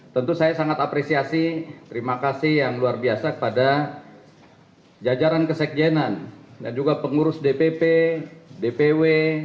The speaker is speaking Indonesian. tentu saya sangat apresiasi terima kasih yang luar biasa kepada jajaran kesekjenan dan juga pengurus dpp dpw